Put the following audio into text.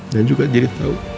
dan juga jadi tau